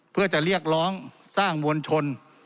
เพื่อจะเรียกร้องสร้างมวลชน